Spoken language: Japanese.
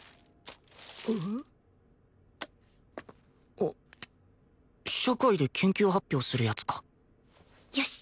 あっ社会で研究発表するやつかよし。